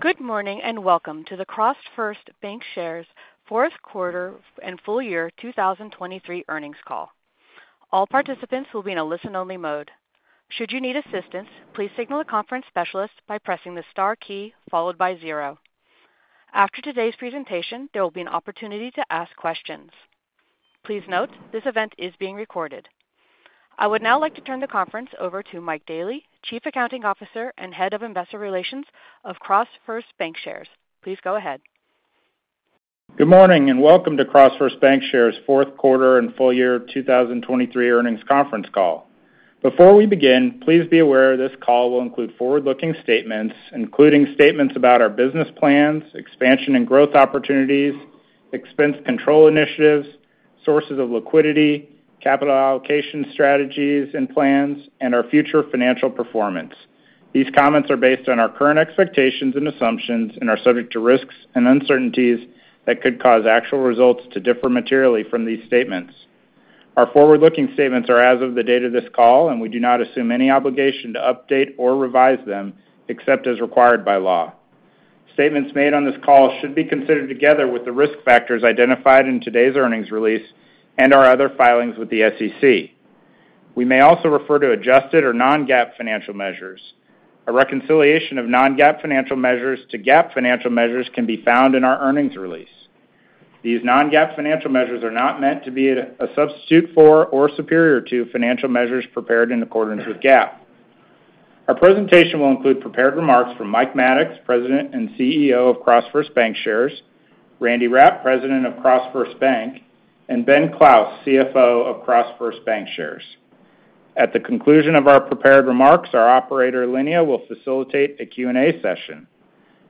Good morning, and welcome to the CrossFirst Bankshares fourth quarter and full year 2023 earnings call. All participants will be in a listen-only mode. Should you need assistance, please signal a conference specialist by pressing the star key followed by zero. After today's presentation, there will be an opportunity to ask questions. Please note, this event is being recorded. I would now like to turn the conference over to Mike Daley, Chief Accounting Officer and Head of Investor Relations of CrossFirst Bankshares. Please go ahead. Good morning, and welcome to CrossFirst Bankshares' fourth quarter and full year 2023 earnings conference call. Before we begin, please be aware this call will include forward-looking statements, including statements about our business plans, expansion and growth opportunities, expense control initiatives, sources of liquidity, capital allocation strategies and plans, and our future financial performance. These comments are based on our current expectations and assumptions and are subject to risks and uncertainties that could cause actual results to differ materially from these statements. Our forward-looking statements are as of the date of this call, and we do not assume any obligation to update or revise them, except as required by law. Statements made on this call should be considered together with the risk factors identified in today's earnings release and our other filings with the SEC. We may also refer to adjusted or non-GAAP financial measures. A reconciliation of non-GAAP financial measures to GAAP financial measures can be found in our earnings release. These non-GAAP financial measures are not meant to be a substitute for or superior to financial measures prepared in accordance with GAAP. Our presentation will include prepared remarks from Mike Maddox, President and CEO of CrossFirst Bankshares; Randy Rapp, President of CrossFirst Bank; and Ben Clouse, CFO of CrossFirst Bankshares. At the conclusion of our prepared remarks, our Operator, Linea, will facilitate a Q&A session.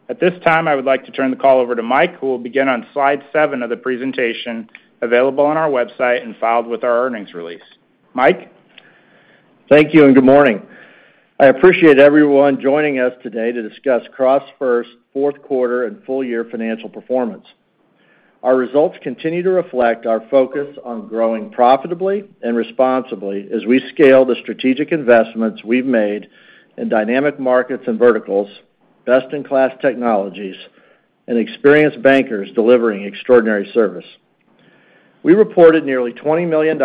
At this time, I would like to turn the call over to Mike, who will begin on slide seven of the presentation, available on our website and filed with our earnings release. Mike? Thank you, and good morning. I appreciate everyone joining us today to discuss CrossFirst's fourth quarter and full year financial performance. Our results continue to reflect our focus on growing profitably and responsibly as we scale the strategic investments we've made in dynamic markets and verticals, best-in-class technologies, and experienced bankers delivering extraordinary service. We reported nearly $20 million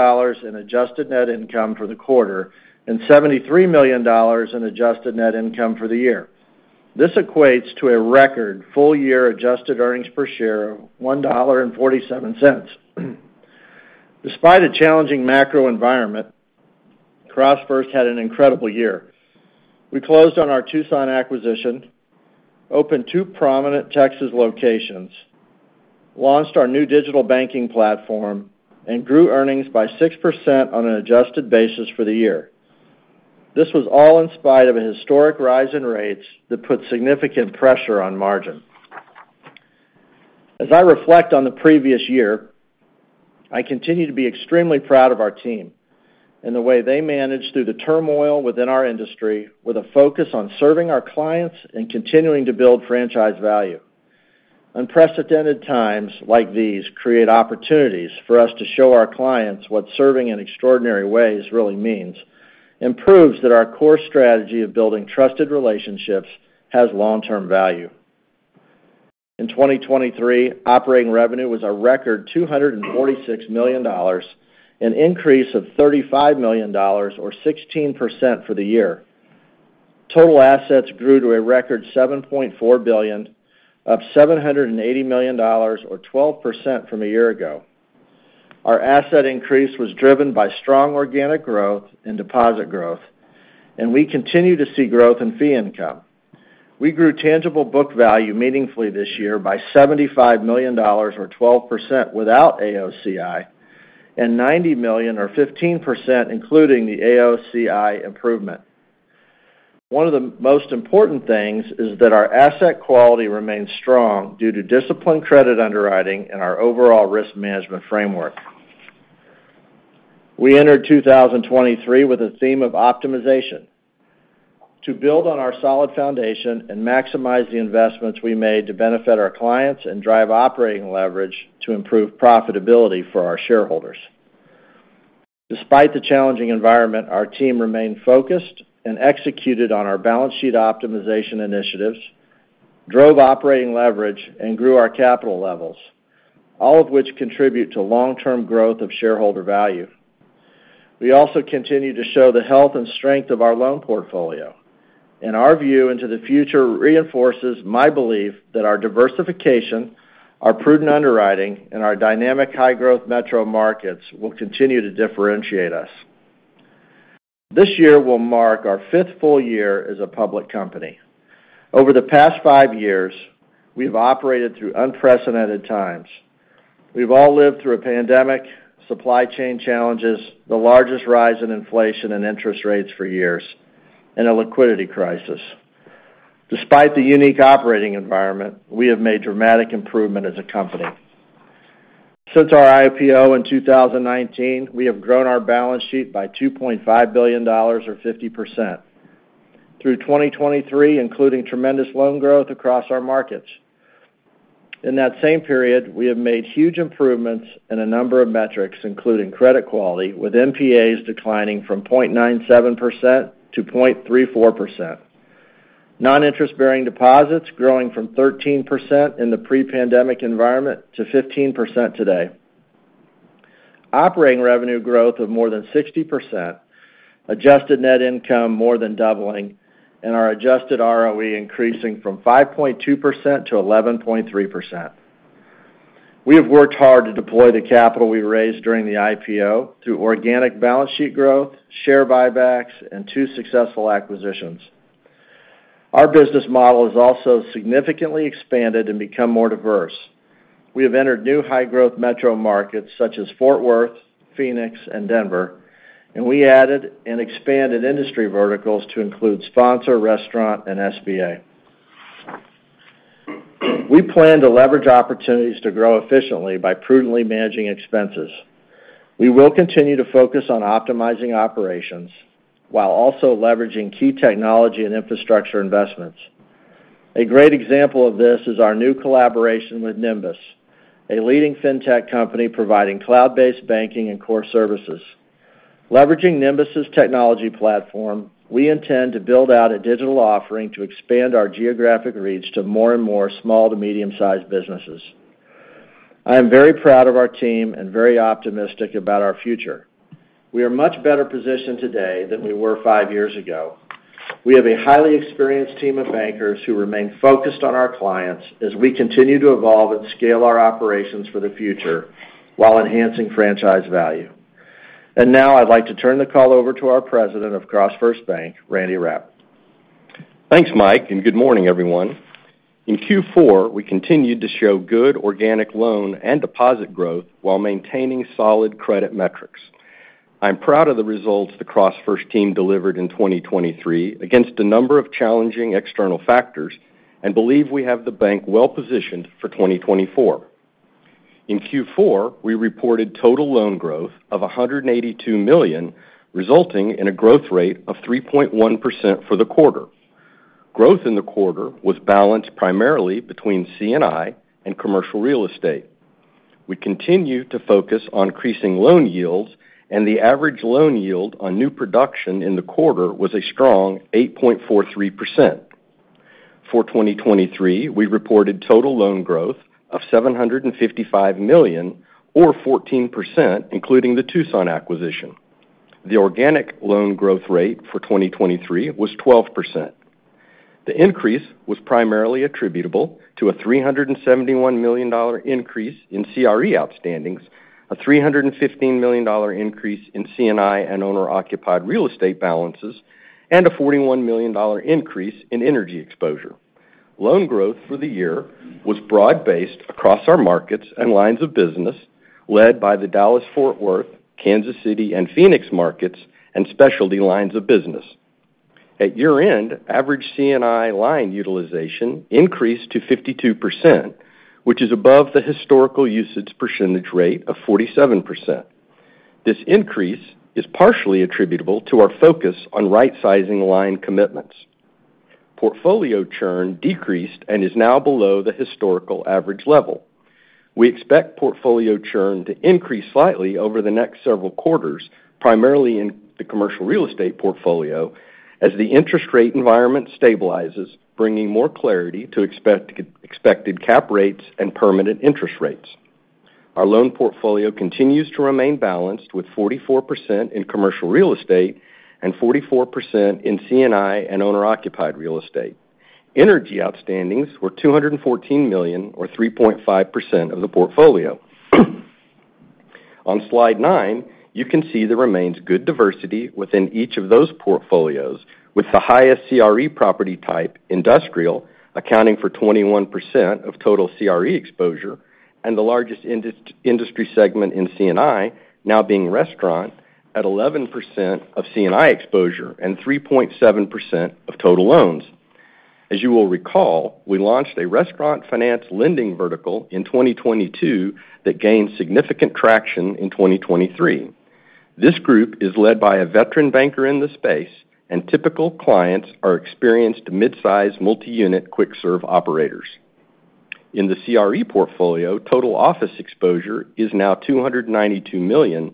in adjusted net income for the quarter and $73 million in adjusted net income for the year. This equates to a record full-year adjusted earnings per share of $1.47. Despite a challenging macro environment, CrossFirst had an incredible year. We closed on our Tucson acquisition, opened two prominent Texas locations, launched our new digital banking platform, and grew earnings by 6% on an adjusted basis for the year. This was all in spite of a historic rise in rates that put significant pressure on margin. As I reflect on the previous year, I continue to be extremely proud of our team and the way they managed through the turmoil within our industry with a focus on serving our clients and continuing to build franchise value. Unprecedented times like these create opportunities for us to show our clients what serving in extraordinary ways really means and proves that our core strategy of building trusted relationships has long-term value. In 2023, operating revenue was a record $246 million, an increase of $35 million or 16% for the year. Total assets grew to a record $7.4 billion, up $780 million or 12% from a year ago. Our asset increase was driven by strong organic growth and deposit growth, and we continue to see growth in fee income. We grew tangible book value meaningfully this year by $75 million or 12% without AOCI, and $90 million or 15%, including the AOCI improvement. One of the most important things is that our asset quality remains strong due to disciplined credit underwriting and our overall risk management framework. We entered 2023 with a theme of optimization to build on our solid foundation and maximize the investments we made to benefit our clients and drive operating leverage to improve profitability for our shareholders. Despite the challenging environment, our team remained focused and executed on our balance sheet optimization initiatives, drove operating leverage and grew our capital levels, all of which contribute to long-term growth of shareholder value. We also continue to show the health and strength of our loan portfolio, and our view into the future reinforces my belief that our diversification, our prudent underwriting, and our dynamic high-growth metro markets will continue to differentiate us. This year will mark our fifth full year as a public company. Over the past five years, we've operated through unprecedented times. We've all lived through a pandemic, supply chain challenges, the largest rise in inflation and interest rates for years, and a liquidity crisis. Despite the unique operating environment, we have made dramatic improvement as a company. Since our IPO in 2019, we have grown our balance sheet by $2.5 billion or 50%. Through 2023, including tremendous loan growth across our markets-... In that same period, we have made huge improvements in a number of metrics, including credit quality, with NPAs declining from 0.97% to 0.34%. Non-interest-bearing deposits growing from 13% in the pre-pandemic environment to 15% today. Operating revenue growth of more than 60%, adjusted net income more than doubling, and our adjusted ROE increasing from 5.2% to 11.3%. We have worked hard to deploy the capital we raised during the IPO through organic balance sheet growth, share buybacks, and two successful acquisitions. Our business model is also significantly expanded and become more diverse. We have entered new high-growth metro markets such as Fort Worth, Phoenix, and Denver, and we added and expanded industry verticals to include sponsor, restaurant, and SBA. We plan to leverage opportunities to grow efficiently by prudently managing expenses. We will continue to focus on optimizing operations while also leveraging key technology and infrastructure investments. A great example of this is our new collaboration with Nymbus, a leading fintech company providing cloud-based banking and core services. Leveraging Nymbus's technology platform, we intend to build out a digital offering to expand our geographic reach to more and more small to medium-sized businesses. I am very proud of our team and very optimistic about our future. We are much better positioned today than we were five years ago. We have a highly experienced team of bankers who remain focused on our clients as we continue to evolve and scale our operations for the future while enhancing franchise value. Now, I'd like to turn the call over to our President of CrossFirst Bank, Randy Rapp. Thanks, Mike, and good morning, everyone. In Q4, we continued to show good organic loan and deposit growth while maintaining solid credit metrics. I'm proud of the results the CrossFirst team delivered in 2023 against a number of challenging external factors and believe we have the bank well-positioned for 2024. In Q4, we reported total loan growth of $182 million, resulting in a growth rate of 3.1% for the quarter. Growth in the quarter was balanced primarily between C&I and commercial real estate. We continue to focus on increasing loan yields, and the average loan yield on new production in the quarter was a strong 8.43%. For 2023, we reported total loan growth of $755 million, or 14%, including the Tucson acquisition. The organic loan growth rate for 2023 was 12%. The increase was primarily attributable to a $371 million increase in CRE outstandings, a $315 million increase in C&I and owner-occupied real estate balances, and a $41 million increase in energy exposure. Loan growth for the year was broad-based across our markets and lines of business, led by the Dallas-Fort Worth, Kansas City, and Phoenix markets, and specialty lines of business. At year-end, average C&I line utilization increased to 52%, which is above the historical usage percentage rate of 47%. This increase is partially attributable to our focus on right-sizing line commitments. Portfolio churn decreased and is now below the historical average level. We expect portfolio churn to increase slightly over the next several quarters, primarily in the commercial real estate portfolio, as the interest rate environment stabilizes, bringing more clarity to expected cap rates and permanent interest rates. Our loan portfolio continues to remain balanced, with 44% in commercial real estate and 44% in C&I and owner-occupied real estate. Energy outstandings were $214 million, or 3.5% of the portfolio. On slide nine, you can see there remains good diversity within each of those portfolios, with the highest CRE property type, industrial, accounting for 21% of total CRE exposure and the largest industry segment in C&I now being restaurant at 11% of C&I exposure and 3.7% of total loans. As you will recall, we launched a restaurant finance lending vertical in 2022 that gained significant traction in 2023. This group is led by a veteran banker in the space, and typical clients are experienced mid-size, multi-unit, quick-serve operators. In the CRE portfolio, total office exposure is now $292 million,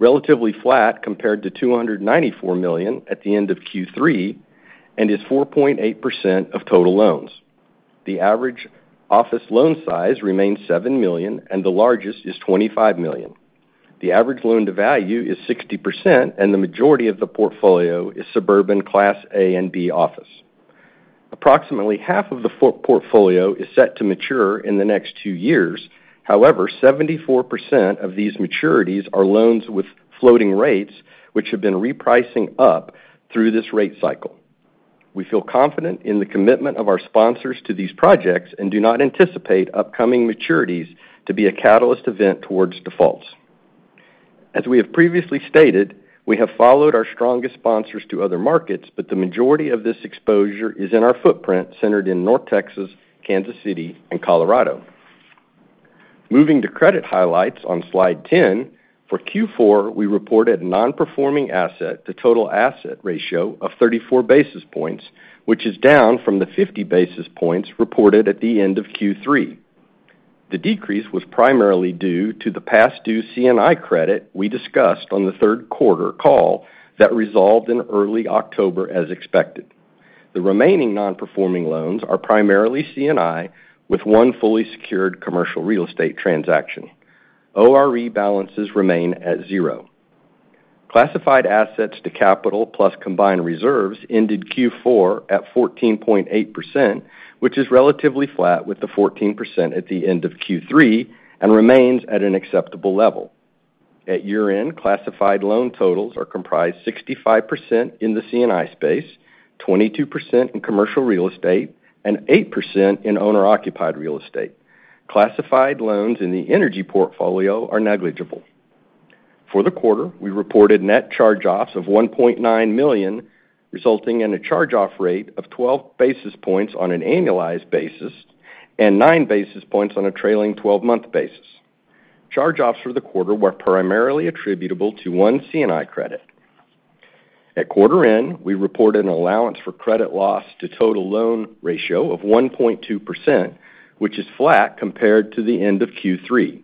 relatively flat compared to $294 million at the end of Q3, and is 4.8% of total loans. The average office loan size remains $7 million, and the largest is $25 million. The average loan-to-value is 60%, and the majority of the portfolio is suburban Class A and B office. Approximately half of the office portfolio is set to mature in the next two years. However, 74% of these maturities are loans with floating rates, which have been repricing up through this rate cycle. We feel confident in the commitment of our sponsors to these projects and do not anticipate upcoming maturities to be a catalyst event towards defaults. As we have previously stated, we have followed our strongest sponsors to other markets, but the majority of this exposure is in our footprint centered in North Texas, Kansas City, and Colorado.... Moving to credit highlights on slide 10, for Q4, we reported nonperforming asset to total asset ratio of 34 basis points, which is down from the 50 basis points reported at the end of Q3. The decrease was primarily due to the past due C&I credit we discussed on the third quarter call that resolved in early October as expected. The remaining nonperforming loans are primarily C&I, with one fully secured commercial real estate transaction. ORE balances remain at zero. Classified assets to capital plus combined reserves ended Q4 at 14.8%, which is relatively flat, with the 14% at the end of Q3, and remains at an acceptable level. At year-end, classified loan totals are comprised 65% in the C&I space, 22% in commercial real estate, and 8% in owner-occupied real estate. Classified loans in the energy portfolio are negligible. For the quarter, we reported net charge-offs of $1.9 million, resulting in a charge-off rate of 12 basis points on an annualized basis and 9 basis points on a trailing twelve-month basis. Charge-offs for the quarter were primarily attributable to one C&I credit. At quarter end, we reported an allowance for credit loss to total loan ratio of 1.2%, which is flat compared to the end of Q3.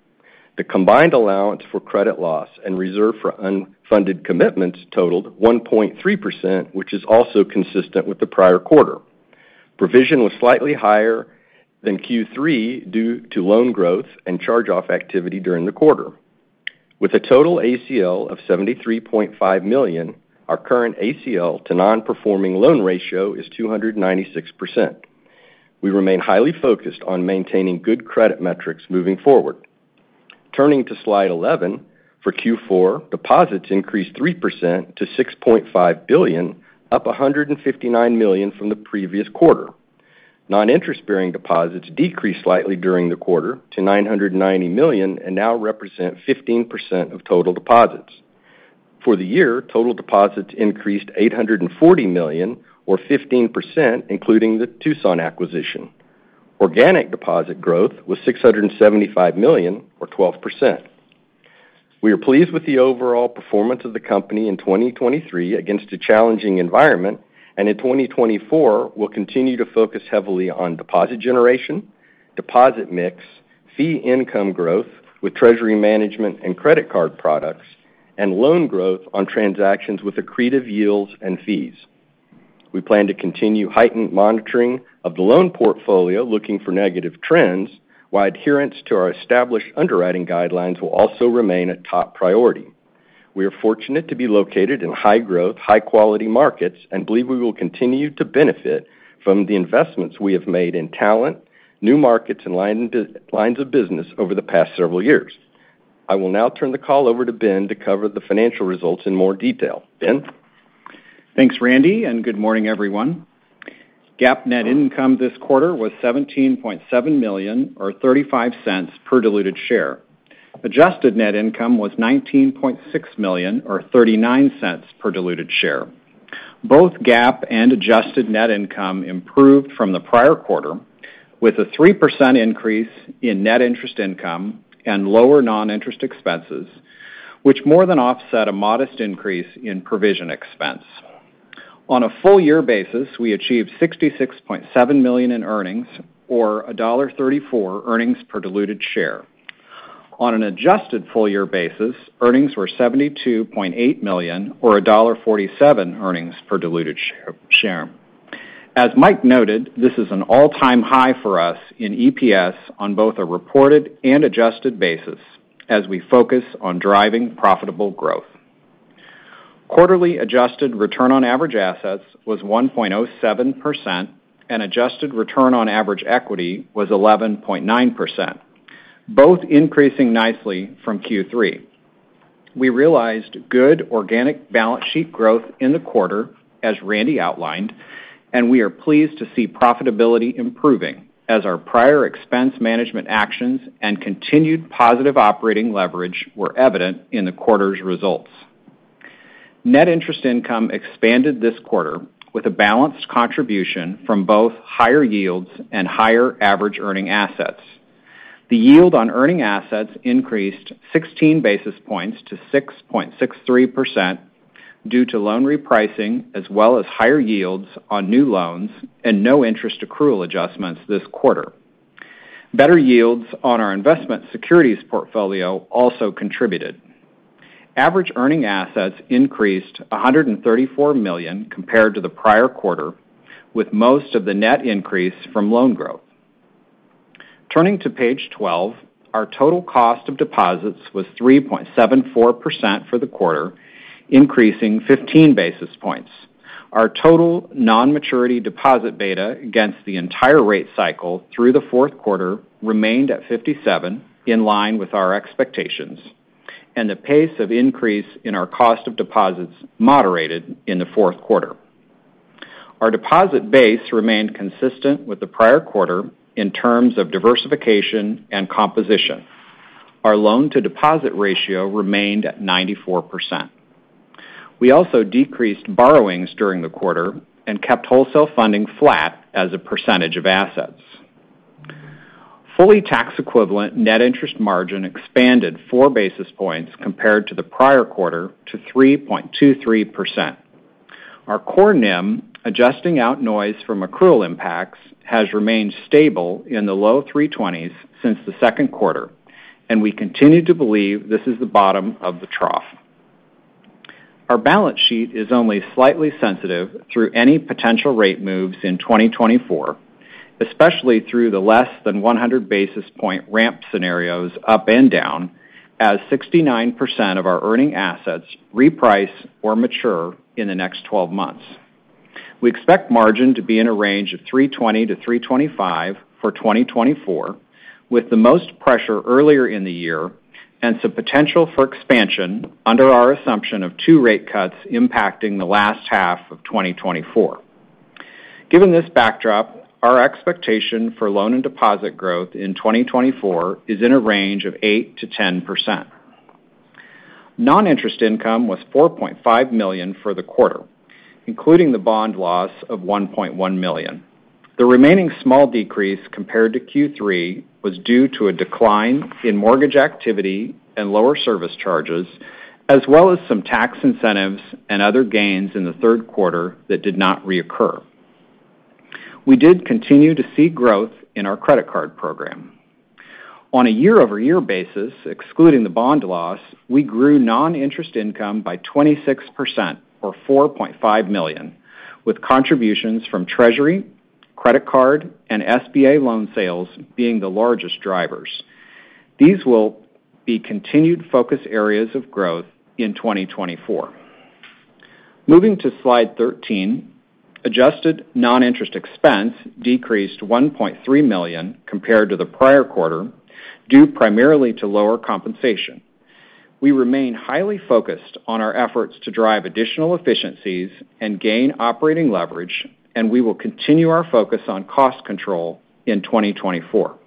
The combined allowance for credit loss and reserve for unfunded commitments totaled 1.3%, which is also consistent with the prior quarter. Provision was slightly higher than Q3 due to loan growth and charge-off activity during the quarter. With a total ACL of $73.5 million, our current ACL to nonperforming loan ratio is 296%. We remain highly focused on maintaining good credit metrics moving forward. Turning to slide 11, for Q4, deposits increased 3% to $6.5 billion, up $159 million from the previous quarter. Non-interest-bearing deposits decreased slightly during the quarter to $990 million and now represent 15% of total deposits. For the year, total deposits increased $840 million, or 15%, including the Tucson acquisition. Organic deposit growth was $675 million, or 12%. We are pleased with the overall performance of the company in 2023 against a challenging environment, and in 2024, we'll continue to focus heavily on deposit generation, deposit mix, fee income growth with treasury management and credit card products, and loan growth on transactions with accretive yields and fees. We plan to continue heightened monitoring of the loan portfolio, looking for negative trends, while adherence to our established underwriting guidelines will also remain a top priority. We are fortunate to be located in high-growth, high-quality markets and believe we will continue to benefit from the investments we have made in talent, new markets, and lines of business over the past several years. I will now turn the call over to Ben to cover the financial results in more detail. Ben? Thanks, Randy, and good morning, everyone. GAAP net income this quarter was $17.7 million, or $0.35 per diluted share. Adjusted net income was $19.6 million, or $0.39 per diluted share. Both GAAP and adjusted net income improved from the prior quarter, with a 3% increase in net interest income and lower non-interest expenses, which more than offset a modest increase in provision expense. On a full year basis, we achieved $66.7 million in earnings, or $1.34 earnings per diluted share. On an adjusted full year basis, earnings were $72.8 million or $1.47 earnings per diluted share. As Mike noted, this is an all-time high for us in EPS on both a reported and adjusted basis as we focus on driving profitable growth. Quarterly adjusted return on average assets was 1.07%, and adjusted return on average equity was 11.9%, both increasing nicely from Q3. We realized good organic balance sheet growth in the quarter, as Randy outlined, and we are pleased to see profitability improving as our prior expense management actions and continued positive operating leverage were evident in the quarter's results. Net interest income expanded this quarter with a balanced contribution from both higher yields and higher average earning assets. The yield on earning assets increased 16 basis points to 6.63% due to loan repricing, as well as higher yields on new loans and no interest accrual adjustments this quarter. Better yields on our investment securities portfolio also contributed. Average earning assets increased $134 million compared to the prior quarter, with most of the net increase from loan growth. Turning to page 12, our total cost of deposits was 3.74% for the quarter, increasing 15 basis points. Our total non-maturity deposit beta against the entire rate cycle through the fourth quarter remained at 57, in line with our expectations, and the pace of increase in our cost of deposits moderated in the fourth quarter. Our deposit base remained consistent with the prior quarter in terms of diversification and composition. Our loan-to-deposit ratio remained at 94%. We also decreased borrowings during the quarter and kept wholesale funding flat as a percentage of assets. Fully tax-equivalent net interest margin expanded 4 basis points compared to the prior quarter to 3.23%. Our core NIM, adjusting out noise from accrual impacts, has remained stable in the low 3.20s since the second quarter, and we continue to believe this is the bottom of the trough. Our balance sheet is only slightly sensitive through any potential rate moves in 2024, especially through the less than 100 basis point ramp scenarios up and down, as 69% of our earning assets reprice or mature in the next 12 months. We expect margin to be in a range of 3.20%-3.25% for 2024, with the most pressure earlier in the year and some potential for expansion under our assumption of 2% rate cuts impacting the last half of 2024. Given this backdrop, our expectation for loan and deposit growth in 2024 is in a range of 8%-10%. Noninterest income was $4.5 million for the quarter, including the bond loss of $1.1 million. The remaining small decrease compared to Q3 was due to a decline in mortgage activity and lower service charges, as well as some tax incentives and other gains in the third quarter that did not reoccur. We did continue to see growth in our credit card program. On a year-over-year basis, excluding the bond loss, we grew noninterest income by 26% or $4.5 million, with contributions from treasury, credit card, and SBA loan sales being the largest drivers. These will be continued focus areas of growth in 2024. Moving to slide 13, adjusted noninterest expense decreased to $1.3 million compared to the prior quarter, due primarily to lower compensation. We remain highly focused on our efforts to drive additional efficiencies and gain operating leverage, and we will continue our focus on cost control in 2024.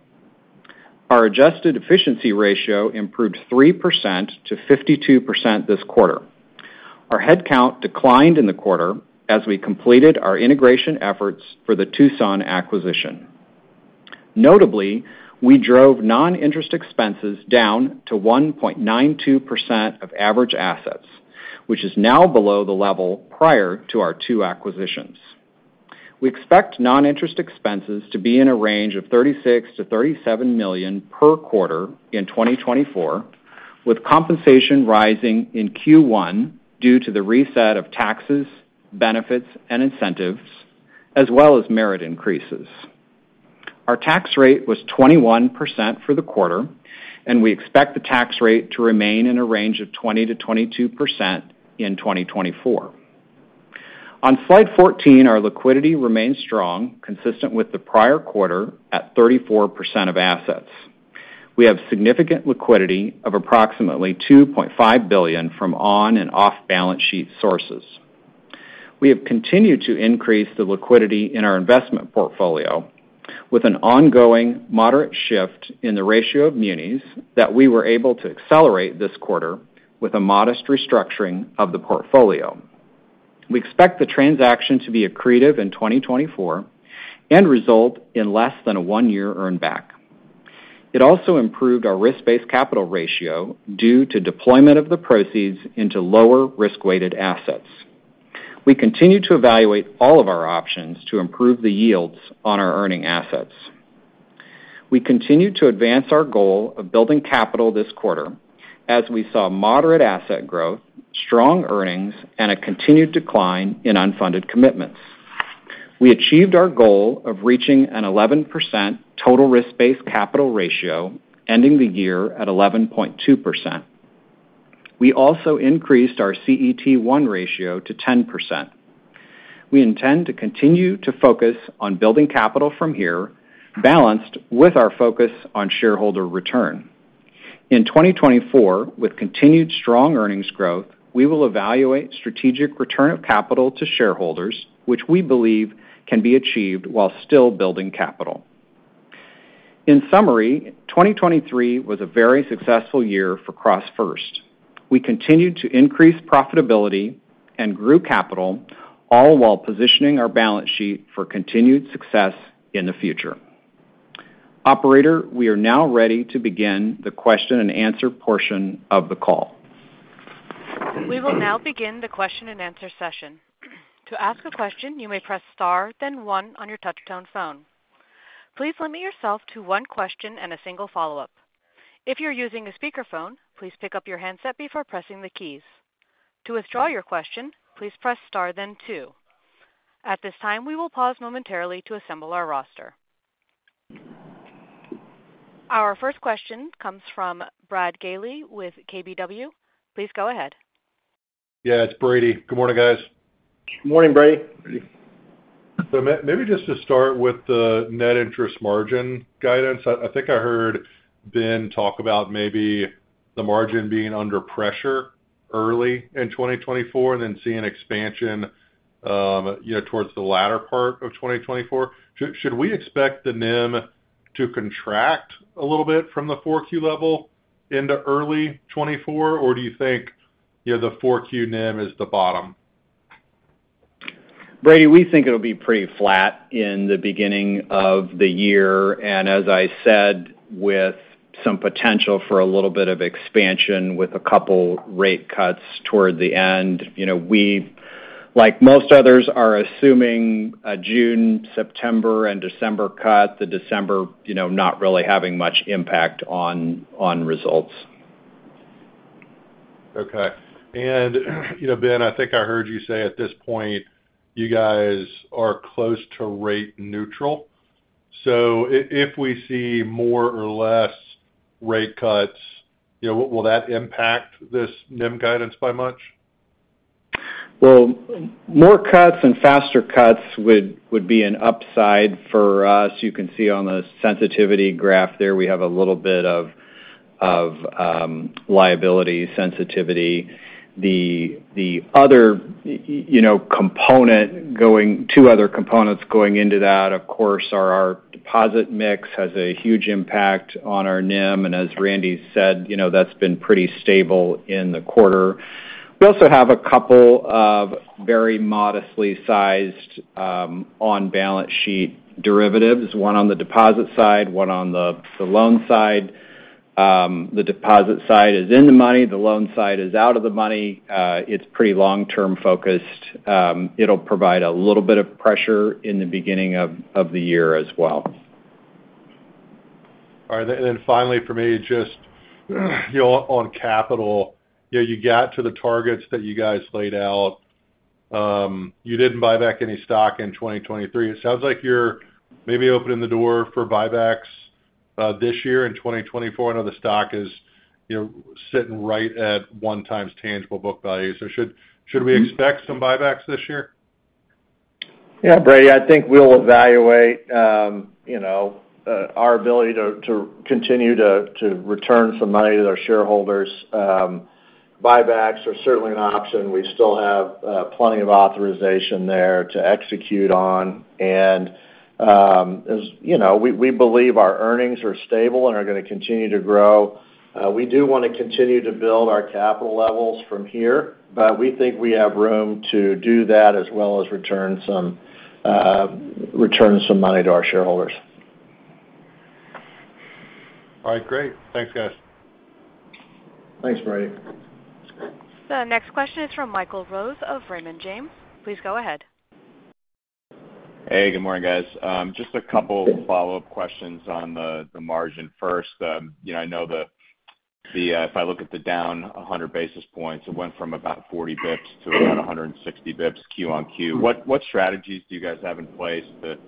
Our adjusted efficiency ratio improved 3% to 52% this quarter. Our headcount declined in the quarter as we completed our integration efforts for the Tucson acquisition. Notably, we drove non-interest expenses down to 1.92% of average assets, which is now below the level prior to our two acquisitions. We expect non-interest expenses to be in a range of $36 million-$37 million per quarter in 2024, with compensation rising in Q1 due to the reset of taxes, benefits, and incentives, as well as merit increases. Our tax rate was 21% for the quarter, and we expect the tax rate to remain in a range of 20%-22% in 2024. On slide 14, our liquidity remains strong, consistent with the prior quarter at 34% of assets. We have significant liquidity of approximately $2.5 billion from on and off-balance sheet sources. We have continued to increase the liquidity in our investment portfolio with an ongoing moderate shift in the ratio of munis that we were able to accelerate this quarter with a modest restructuring of the portfolio. We expect the transaction to be accretive in 2024 and result in less than a one-year earn back. It also improved our risk-based capital ratio due to deployment of the proceeds into lower risk-weighted assets. We continue to evaluate all of our options to improve the yields on our earning assets. We continue to advance our goal of building capital this quarter as we saw moderate asset growth, strong earnings, and a continued decline in unfunded commitments. We achieved our goal of reaching an 11% total risk-based capital ratio, ending the year at 11.2%. We also increased our CET1 ratio to 10%. We intend to continue to focus on building capital from here, balanced with our focus on shareholder return. In 2024, with continued strong earnings growth, we will evaluate strategic return of capital to shareholders, which we believe can be achieved while still building capital. In summary, 2023 was a very successful year for CrossFirst. We continued to increase profitability and grew capital, all while positioning our balance sheet for continued success in the future. Operator, we are now ready to begin the question-and-answer portion of the call. We will now begin the question-and-answer session. To ask a question, you may press Star, then one on your touchtone phone. Please limit yourself to one question and a single follow-up. If you're using a speakerphone, please pick up your handset before pressing the keys. To withdraw your question, please press Star then two. At this time, we will pause momentarily to assemble our roster. Our first question comes from Brady Gailey with KBW. Please go ahead. Yeah, it's Brady. Good morning, guys. Good morning, Brady. Maybe just to start with the net interest margin guidance. I think I heard Ben talk about maybe the margin being under pressure early in 2024 and then seeing expansion, you know, towards the latter part of 2024. Should we expect the NIM to contract a little bit from the 4Q level into early 2024, or do you think, you know, the 4Q NIM is the bottom? Brady, we think it'll be pretty flat in the beginning of the year, and as I said, with some potential for a little bit of expansion, with a couple rate cuts toward the end. You know, we, like most others, are assuming a June, September, and December cut. The December, you know, not really having much impact on, on results. Okay. And, you know, Ben, I think I heard you say at this point, you guys are close to rate neutral. So if we see more or less rate cuts, you know, will that impact this NIM guidance by much? Well, more cuts and faster cuts would be an upside for us. You can see on the sensitivity graph there, we have a little bit of liability sensitivity. The other, you know, component going into that, of course, are our deposit mix has a huge impact on our NIM, and as Randy said, you know, that's been pretty stable in the quarter. We also have a couple of very modestly sized on-balance sheet derivatives, one on the deposit side, one on the loan side. The deposit side is in the money, the loan side is out of the money. It's pretty long-term focused. It'll provide a little bit of pressure in the beginning of the year as well. All right. And then finally, for me, just, you know, on capital, you know, you got to the targets that you guys laid out. You didn't buy back any stock in 2023. It sounds like you're maybe opening the door for buybacks this year in 2024. I know the stock is, you know, sitting right at 1x tangible book value. So should we expect some buybacks this year? Yeah, Brady, I think we'll evaluate, you know, our ability to continue to return some money to our shareholders. Buybacks are certainly an option. We still have plenty of authorization there to execute on. And, as you know, we believe our earnings are stable and are gonna continue to grow. We do wanna continue to build our capital levels from here, but we think we have room to do that, as well as return some money to our shareholders. All right, great. Thanks, guys. Thanks, Brady. The next question is from Michael Rose of Raymond James. Please go ahead. Hey, good morning, guys. Just a couple follow-up questions on the margin. First, you know, I know if I look at the down 100 basis points, it went from about 40 basis points to around 160 basis points quarter-over-quarter. What strategies do you guys have in place to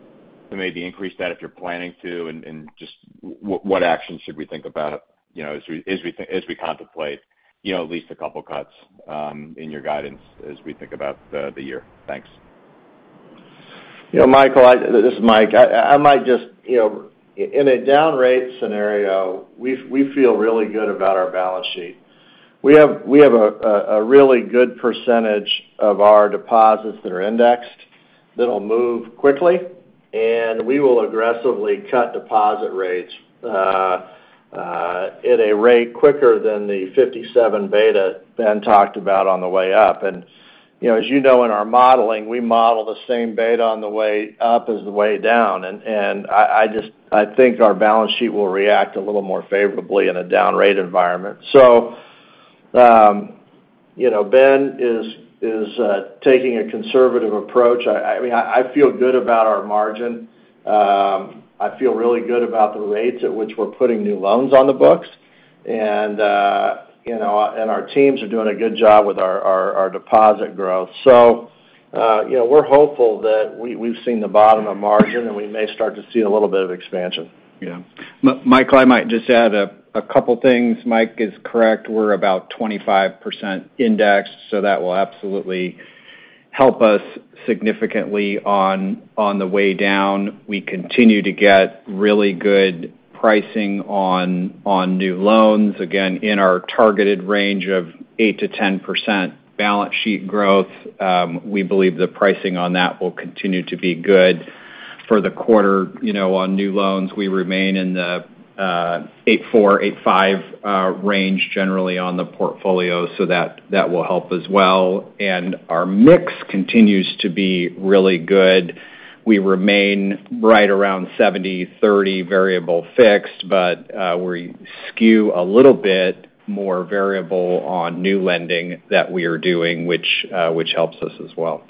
maybe increase that, if you're planning to? And just what actions should we think about, you know, as we contemplate, you know, at least a couple cuts, in your guidance as we think about the year? Thanks. You know, Michael, this is Mike. I might just... You know, in a down rate scenario, we feel really good about our balance sheet. We have a really good percentage of our deposits that are indexed, that'll move quickly, and we will aggressively cut deposit rates at a rate quicker than the 57 beta Ben talked about on the way up. And, you know, as you know, in our modeling, we model the same beta on the way up as the way down. And I just think our balance sheet will react a little more favorably in a down rate environment. So, you know, Ben is taking a conservative approach. I mean, I feel good about our margin. I feel really good about the rates at which we're putting new loans on the books. And, you know, and our teams are doing a good job with our deposit growth. So, you know, we're hopeful that we've seen the bottom of margin, and we may start to see a little bit of expansion. Yeah. Michael, I might just add a couple things. Mike is correct. We're about 25% indexed, so that will absolutely help us significantly on the way down. We continue to get really good pricing on new loans. Again, in our targeted range of 8%-10% balance sheet growth, we believe the pricing on that will continue to be good for the quarter. You know, on new loans, we remain in the 8.4%-8.5% range generally on the portfolio, so that will help as well. And our mix continues to be really good. We remain right around 70-30 variable fixed, but we skew a little bit more variable on new lending that we are doing, which helps us as well.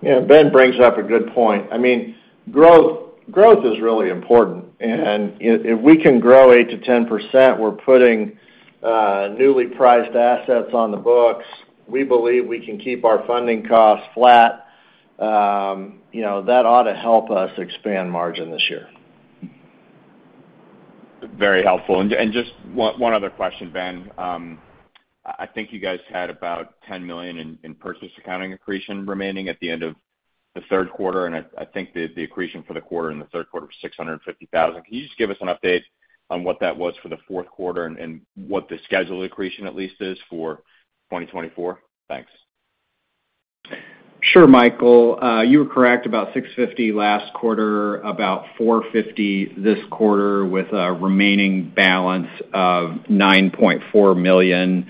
Yeah, Ben brings up a good point. I mean, growth, growth is really important. And if we can grow 8%-10%, we're putting newly priced assets on the books. We believe we can keep our funding costs flat. You know, that ought to help us expand margin this year. Very helpful. And just one other question, Ben. I think you guys had about $10 million in purchase accounting accretion remaining at the end of the third quarter, and I think the accretion for the quarter in the third quarter was $650,000. Can you just give us an update on what that was for the fourth quarter and what the scheduled accretion at least is for 2024? Thanks. Sure, Michael. You were correct, about $650,000 last quarter, about $450,000 this quarter, with a remaining balance of $9.4 million.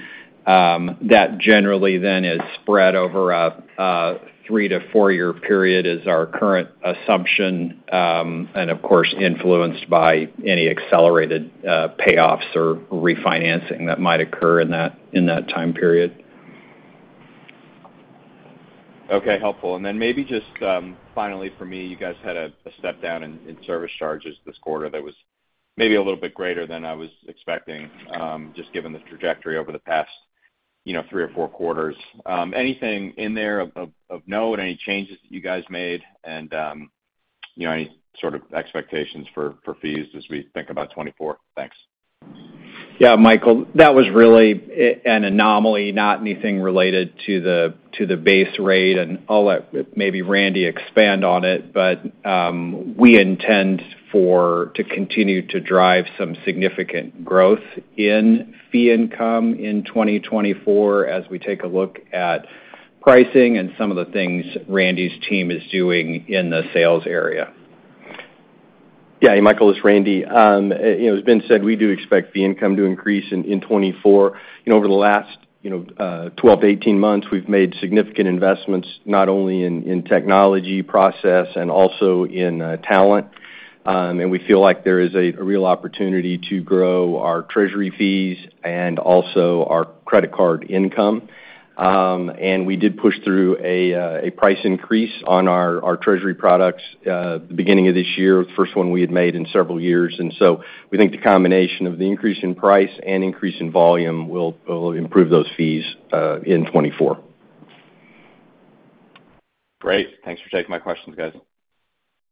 That generally then is spread over a three- to four-year period is our current assumption, and of course, influenced by any accelerated payoffs or refinancing that might occur in that time period. Okay, helpful. And then maybe just, finally for me, you guys had a step down in service charges this quarter that was maybe a little bit greater than I was expecting, just given the trajectory over the past, you know, three or four quarters. Anything in there of note, any changes that you guys made? And, you know, any sort of expectations for fees as we think about 2024? Thanks. Yeah, Michael, that was really an anomaly, not anything related to the, to the base rate, and I'll let maybe Randy expand on it. But, we intend to continue to drive some significant growth in fee income in 2024 as we take a look at pricing and some of the things Randy's team is doing in the sales area. Yeah, Michael, it's Randy. You know, as Ben said, we do expect fee income to increase in 2024. You know, over the last 12-18 months, we've made significant investments, not only in technology process and also in talent. And we feel like there is a real opportunity to grow our treasury fees and also our credit card income. And we did push through a price increase on our treasury products the beginning of this year, the first one we had made in several years. And so we think the combination of the increase in price and increase in volume will improve those fees in 2024. Great. Thanks for taking my questions, guys.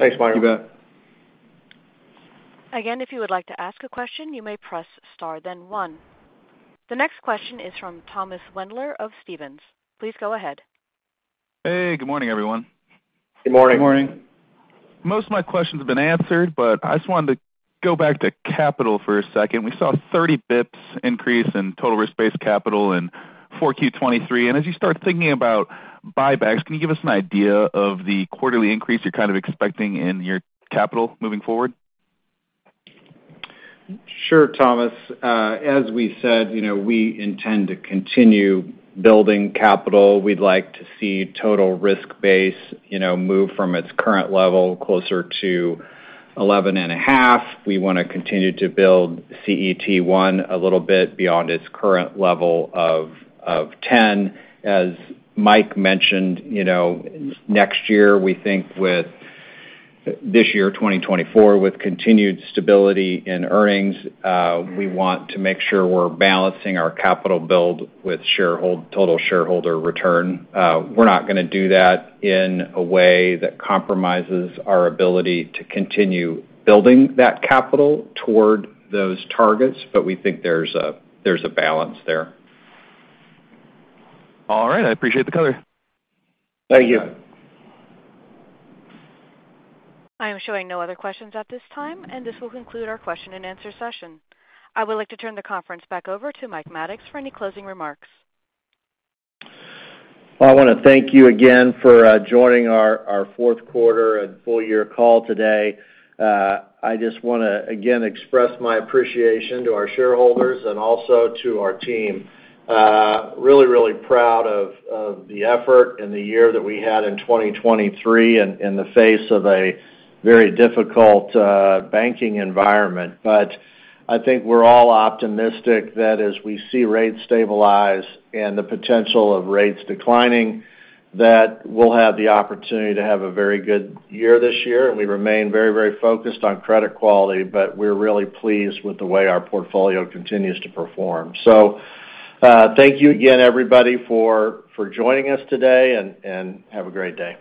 Thanks, Michael. Thank you, bye. Again, if you would like to ask a question, you may press star, then one. The next question is from Thomas Wendler of Stephens. Please go ahead. Hey, good morning, everyone. Good morning. Good morning. Most of my questions have been answered, but I just wanted to go back to capital for a second. We saw a 30 bps increase in total risk-based capital in 4Q 2023. As you start thinking about buybacks, can you give us an idea of the quarterly increase you're kind of expecting in your capital moving forward? Sure, Thomas. As we said, you know, we intend to continue building capital. We'd like to see total risk-based, you know, move from its current level closer to 11.5. We want to continue to build CET1 a little bit beyond its current level of 10. As Mike mentioned, you know, next year, we think with this year, 2024, with continued stability in earnings, we want to make sure we're balancing our capital build with shareholder total shareholder return. We're not going to do that in a way that compromises our ability to continue building that capital toward those targets, but we think there's a balance there. All right. I appreciate the color. Thank you. I am showing no other questions at this time, and this will conclude our question-and-answer session. I would like to turn the conference back over to Mike Maddox for any closing remarks. I want to thank you again for joining our fourth quarter and full year call today. I just want to again express my appreciation to our shareholders and also to our team. Really really proud of the effort and the year that we had in 2023, in the face of a very difficult banking environment. But I think we're all optimistic that as we see rates stabilize and the potential of rates declining, that we'll have the opportunity to have a very good year this year. And we remain very very focused on credit quality, but we're really pleased with the way our portfolio continues to perform. So thank you again, everybody, for joining us today, and have a great day.